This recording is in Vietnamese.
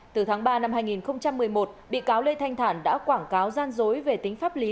từ tháng ba năm hai nghìn một mươi một bị cáo lê thanh thản đã quảng cáo gian dối về tính pháp lý